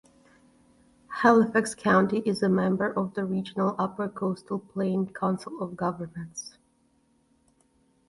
Halifax County is a member of the regional Upper Coastal Plain Council of Governments.